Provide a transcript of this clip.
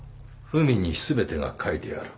文に全てが書いてある。